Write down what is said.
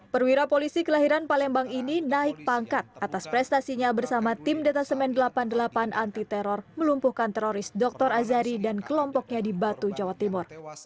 perwira polisi kelahiran palembang ini naik pangkat atas prestasinya bersama tim detasemen delapan puluh delapan anti teror melumpuhkan teroris dr azari dan kelompoknya di batu jawa timur